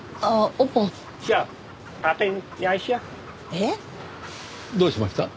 えっ！？どうしました？